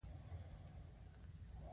ځینې ماشینونه نور ماشینونه جوړوي.